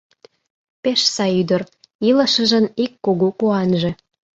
Пеш сай ӱдыр, илышыжын ик кугу куанже.